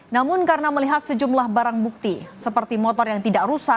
namun karena melihat sejumlah barang bukti seperti motor yang tidak rusak